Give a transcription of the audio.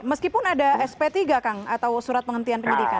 meskipun ada sp tiga kang atau surat penghentian penyidikan